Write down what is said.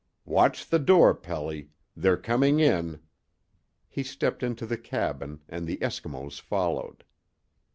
" Watch the door, Pelly. They're coming in." He stepped into the cabin, and the Eskimos followed.